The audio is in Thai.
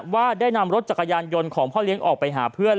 ว่าได้นำรถจักรยานยนต์ของพ่อเลี้ยงออกไปหาเพื่อน